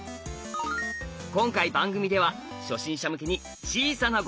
今回番組では初心者向けに小さな碁盤を用意。